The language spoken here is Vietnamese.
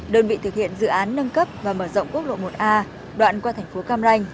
đơn vị thực hiện dự án nâng cấp và mở rộng quốc lộ một a đoạn qua thành phố cam ranh